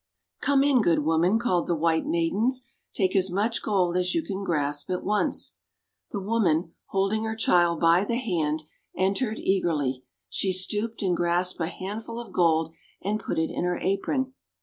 "Come in, good Woman," called the White Maidens. "Take as much gold as you can grasp at once." The woman, holding her child by the hand, entered eagerly. She stooped and grasped a handful of gold and put it in her apron.